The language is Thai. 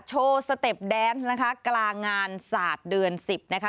สเต็ปแดนซ์นะคะกลางงานศาสตร์เดือน๑๐นะคะ